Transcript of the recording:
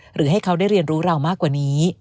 หรือให้เขาได้เรียนรู้เรามากกว่านี้